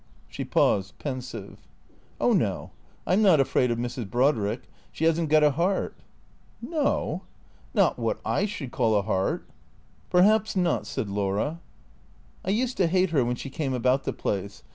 She paused, pensive. " Oh, no, I 'm not afraid of Mrs. Brodrick. She 'as n't got a 'eart." " No ?"" Not wot I should call a 'eart." " Perhaps not," said Laura. " I used to hate her when she came about the place.